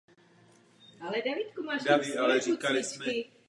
Nese Evropa výlučnou odpovědnost za sociální politiku?